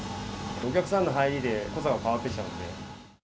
お客さんの入りで濃さが変わってきちゃうので。